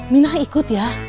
minah ikut ya